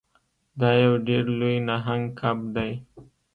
دا یو ډیر لوی نهنګ کب دی.